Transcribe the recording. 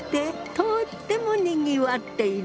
とってもにぎわっている。